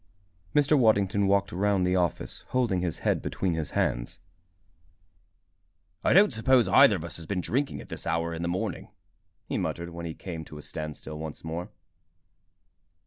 Mr. Waddington walked round the office, holding his head between his hands. "I don't suppose either of us has been drinking at this hour in the morning," he muttered, when he came to a standstill once more.